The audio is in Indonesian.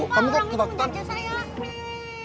kamu kok ketakutan